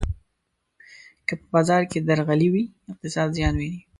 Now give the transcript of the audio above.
که په بازار کې درغلي وي، اقتصاد زیان ویني.